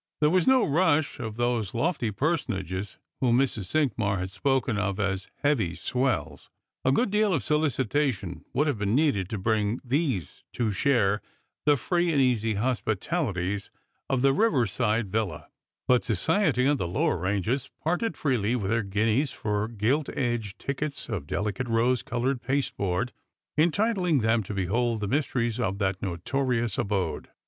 There was no rush of those lofty personages whom Mrs. Cinqmars had spoken of as " heavy swells." A good deal of solicitation would have been needed to bring these to share the free and easy hospitalities of the river side villa ; but society on the lower ranges parted freely with their guineas for gilt edged tickets of delicate rose coloured pasteboard, entitling them to behold the mysteries of that notorious abode.